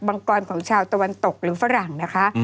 งกรของชาวตะวันตกหรือฝรั่งนะคะ